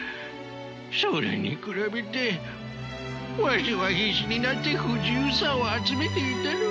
それに比べてわしは必死になって不自由さを集めていたのか。